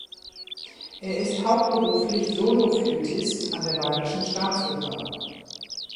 Er ist hauptberuflich Solo-Flötist an der Bayerischen Staatsoper.